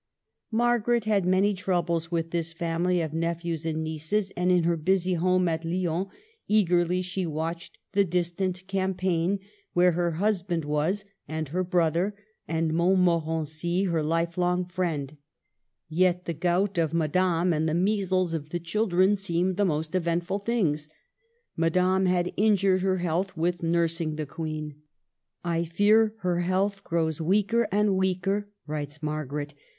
Margaret had many troubles with this family of nephews and nieces ; and in her busy home at Lyons eagerly she watched the distant cam paign, where her husband was, and her brother, and Montmorency her life long friend ; yet the gout of Madame and the measles of the chil dren seemed the most eventful things. Madame had injured her health with nursing the Queen. " I fear her health grows weaker and weaker," writes Margaret.